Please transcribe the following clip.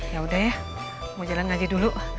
yaudah ya mau jalan ngaji dulu